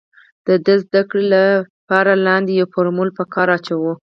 د دې د زده کړې له پاره لاندې يو فورمول په کار اچوو